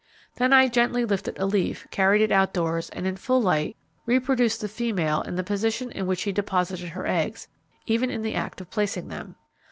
Then I gently lifted a leaf, carried it outdoors and, in full light, reproduced the female in the position in which she deposited her eggs, even in the act of placing them.